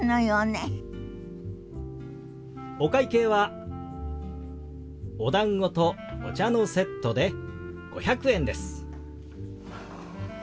お会計はおだんごとお茶のセットで５００円です。